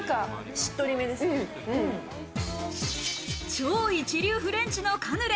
超一流フレンチのカヌレ。